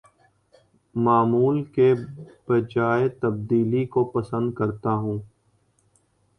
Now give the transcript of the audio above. معمول کے بجاے تبدیلی کو پسند کرتا ہوں